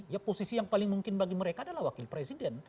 ya posisi yang paling mungkin bagi mereka adalah wakil presiden